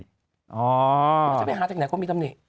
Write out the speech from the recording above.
จะไปหาจากไหนคนมีตำหนิ